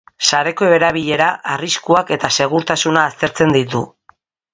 Sareko erabilera, arriskuak eta segurtasuna aztertzen ditu.